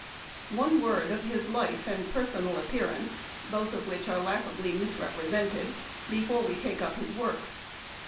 ..." One word of his life and personal appear ance (both of which are laughably misrepre sented) before we take up his works.